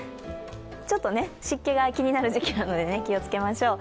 ちょっと湿気が気になる時期なので気をつけましょう。